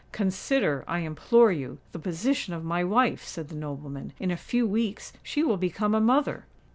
"Consider, I implore you, the position of my wife," said the nobleman: "in a few weeks she will become a mother!"